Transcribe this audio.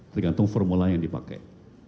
tergantung formula yang dipakai